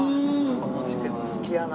この季節好きやなあ。